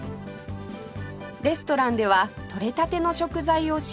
レストランではとれたての食材を使用